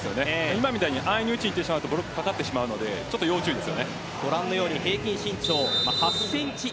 今みたいに安易に打ってしまうとブロックにかかってしまうので要注意です。